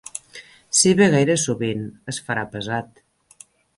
Si ve gaire sovint, es farà pesat.